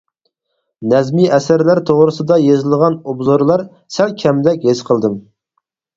نەزمى ئەسەرلەر توغرىسىدا يېزىلغان ئوبزورلار سەل كەمدەك ھېس قىلدىم.